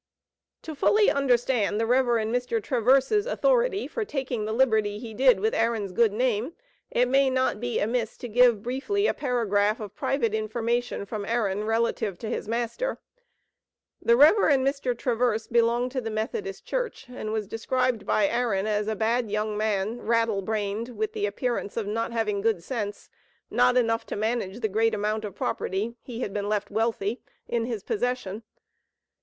To fully understand the Rev. Mr. Traverse's authority for taking the liberty he did with Aaron's good name, it may not be amiss to give briefly a paragraph of private information from Aaron, relative to his master. The Rev. Mr. Traverse belonged to the Methodist Church, and was described by Aaron as a "bad young man; rattle brained; with the appearance of not having good sense, not enough to manage the great amount of property (he had been left wealthy) in his possession."